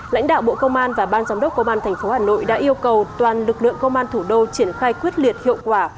lãnh đạo bộ công an và ban giám đốc công an tp hà nội đã yêu cầu toàn lực lượng công an thủ đô triển khai quyết liệt hiệu quả